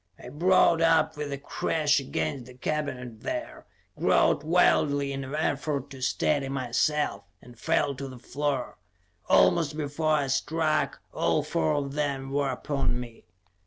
I brought up with a crash against the cabinet there, groped wildly in an effort to steady myself, and fell to the floor. Almost before I struck, all four of them were upon me.